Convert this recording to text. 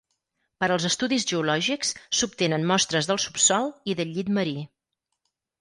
Per als estudis geològics, s'obtenen mostres del subsòl i del llit marí.